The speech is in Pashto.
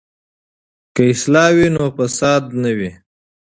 که اصلاح وي، فساد نه وي.